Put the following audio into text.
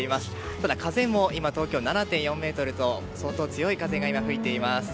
ただ、風も今、東京は７．４メートルと相当強い風が今吹いています。